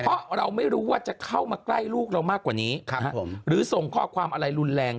เพราะเราไม่รู้ว่าจะเข้ามาใกล้ลูกเรามากกว่านี้หรือส่งข้อความอะไรรุนแรง